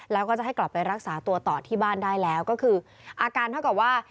แล้วก็จะให้กลับไปรักษาตัวต่อที่บ้านได้แล้วก็คืออาการเท่ากับว่า